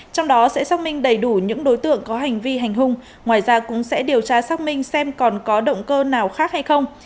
trong đó sẽ xác minh đầy đủ những đối tượng có hành vi hành hung ngoài ra cũng sẽ điều tra xác minh xem còn có động cơ nào khác hay không